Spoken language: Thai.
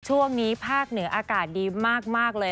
ช่วงนี้ภาคเหนืออากาศดีมากเลย